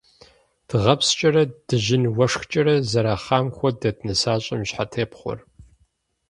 Дыгъэпскӏэрэ, дыжьын уэшхкӏэрэ зэрахъам хуэдэт нысащӏэм и щхьэтепхъуэр.